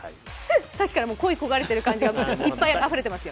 さっきから恋い焦がれてる感じがいっぱい出てますよ。